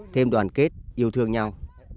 thêm đoàn kết yêu thương nhau